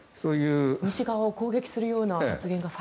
西側を攻撃するような投稿が。